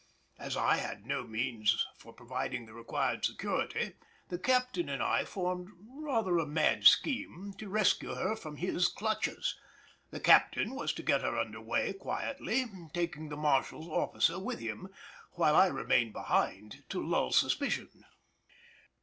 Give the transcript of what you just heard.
As I had no means for providing the required security, the captain and I formed rather a mad scheme to rescue her from his clutches. The captain was to get her under weigh quietly, taking the Marshal's officer with him, while I remained behind to lull suspicion.